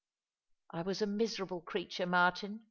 " "I was a miserable creatnre, Martin.